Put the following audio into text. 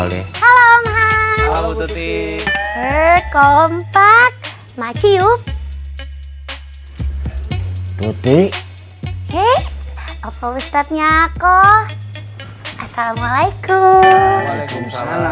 si nien membanyakin samal nya aja